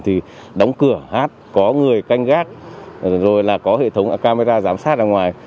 thì đóng cửa hát có người canh gác rồi là có hệ thống camera giám sát ở ngoài